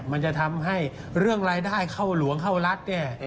มันจะทำให้เรื่องรายได้เข้าหลวงเข้ารัฐเนี่ย